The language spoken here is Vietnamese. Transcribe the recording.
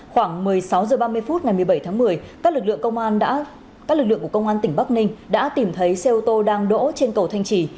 khoảng một mươi sáu h ba mươi phút ngày một mươi bảy tháng một mươi các lực lượng của công an tỉnh bắc ninh đã tìm thấy xe ô tô đang đỗ trên cầu thanh trì